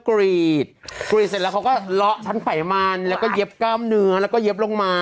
กรีดกรีดเสร็จแล้วเขาก็เลาะชั้นไขมันแล้วก็เย็บกล้ามเนื้อแล้วก็เย็บลงมา